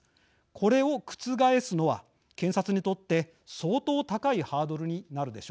これを覆すのは検察にとって相当高いハードルになるでしょう。